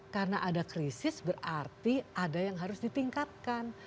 karena ada krisis berarti ada yang harus ditingkatkan